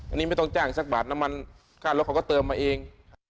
อันนี้ไม่ต้องจ้างสักบาทน้ำมันค่ารถเขาก็เติมมาเอง